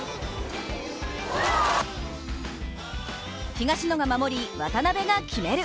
東野が守り、渡辺が決める！